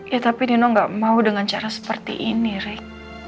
ya tapi nino gak mau dengan cara seperti ini rek